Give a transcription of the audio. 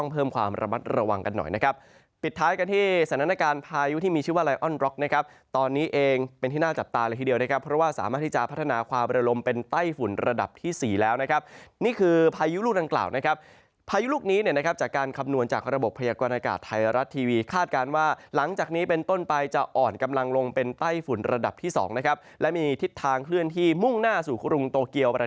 เพราะว่าสามารถที่จะพัฒนาความบริลมเป็นใต้ฝุ่นระดับที่๔แล้วนะครับนี่คือพายุลูกดังกล่าวนะครับพายุลูกนี้เนี่ยนะครับจะการคำนวณจากระบบพยากรณากาศไทยรัฐทีวีคาดการณ์ว่าหลังจากนี้เป็นต้นไปจะอ่อนกำลังลงเป็นใต้ฝุ่นระดับที่๒นะครับและมีทิศทางเคลื่อนที่มุ่งหน้าสู่กรุงโตเกีย